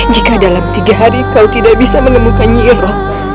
jika dalam tiga hari kau tidak bisa menemukan nyiirman